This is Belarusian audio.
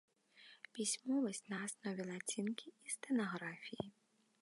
Пісьмовасць на аснове лацінкі і стэнаграфіі.